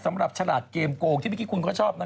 สำหรับฉลาดเกมโกงที่เมื่อกี้คุณก็ชอบนะ